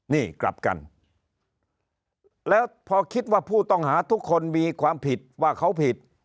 นี่กลับกันแล้วพอคิดว่าผู้ต้องหาทุกคนมีความผิดว่าเขาผิด